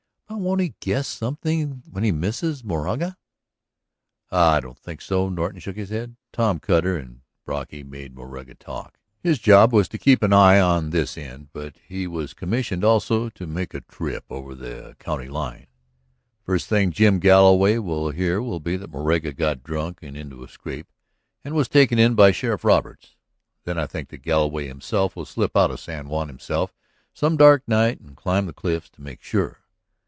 "But won't he guess something when he misses Moraga?" "I don't think so." Norton shook his head. "Tom Cutter and Brocky made Moraga talk. His job was to keep an eye on this end, but he was commissioned also to make a trip over to the county line. The first thing Jim Galloway will hear will be that Moraga got drunk and into a scrape and was taken in by Sheriff Roberts. Then I think that Galloway himself will slip out of San Juan himself some dark night and climb the cliffs to make sure.